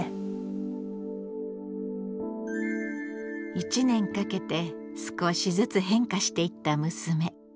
１年かけて少しずつ変化していった娘。